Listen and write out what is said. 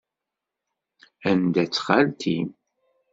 Anda-tt xalti-m?